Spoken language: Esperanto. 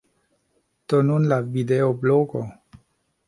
Do nun la videoblogo.